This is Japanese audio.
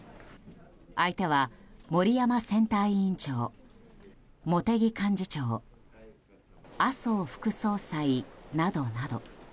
相手は、森山選対委員長茂木幹事長麻生副総裁などなど。